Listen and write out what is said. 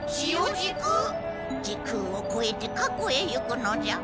時空をこえて過去へ行くのじゃ。